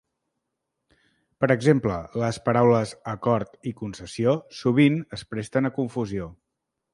Per exemple, les paraules "acord" i "concessió" sovint es presten a confusió.